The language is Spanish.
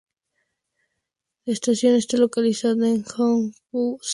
La estación está localizada en Jongno-gu, Seúl.